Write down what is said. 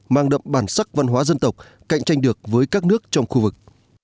mang đậm bản sắc văn hóa dân tộc cạnh tranh được với các nước trong khu vực